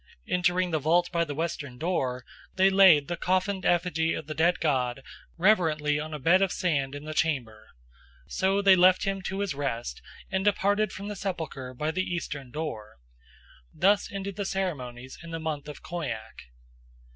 Entering the vault by the western door, they laid the coffined effigy of the dead god reverently on a bed of sand in the chamber. So they left him to his rest, and departed from the sepulchre by the eastern door. Thus ended the ceremonies in the month of Khoiak.